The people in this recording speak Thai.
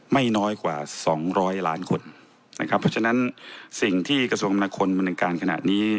ไม่น้อยกว่า๒๐๐ล้านคนนะครับเพราะฉะนั้นสิ่งที่กระทรวงคำนาคมบริการขณะนี้